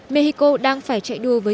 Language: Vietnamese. mexico đang phải chạy đua với